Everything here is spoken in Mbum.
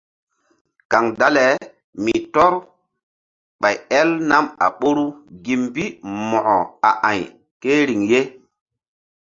Kaŋ dale mi tɔ́r ɓay el nam a ɓoru gi mbi Mo̧ko a a̧y ke riŋ ye.